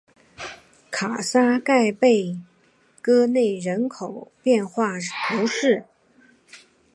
卡萨盖贝戈内人口变化图示